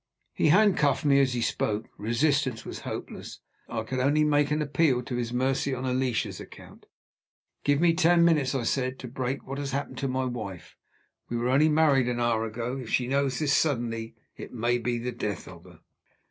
He handcuffed me as he spoke. Resistance was hopeless. I could only make an appeal to his mercy, on Alicia's account. "Give me ten minutes," I said, "to break what has happened to my wife. We were only married an hour ago. If she knows this suddenly, it may be the death of her."